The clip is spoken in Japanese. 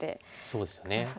そうですよね。